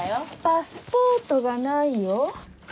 パスポートがないよ。